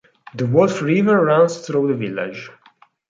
The Wolf River runs through the village.